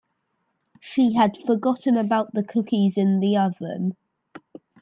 She had forgotten about the cookies in the oven.